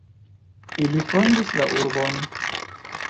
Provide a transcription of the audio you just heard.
Ili fondis la urbon.